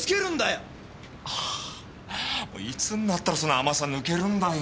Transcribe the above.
あぁいつになったらその甘さ抜けるんだよ